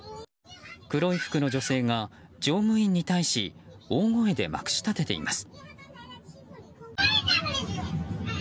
黒い服の女性が乗務員に対し大声でまくし立てています。